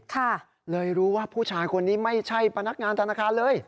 ค่ะเลยรู้ว่าผู้ชายคนนี้ไม่ใช่พนักงานธนาคารเลย